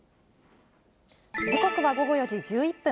時刻は午後４時１１分。